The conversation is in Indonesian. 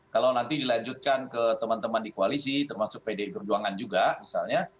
kalau nanti dilanjutkan ke teman teman di koalisi termasuk pdi perjuangan juga misalnya